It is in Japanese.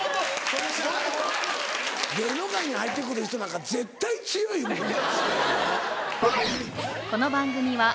芸能界に入ってくる人なんか絶対強いもんな。